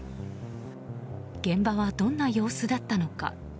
現場はどんな様子だったのか。